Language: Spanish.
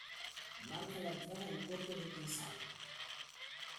Marca la entrada al puerto de Kinsale.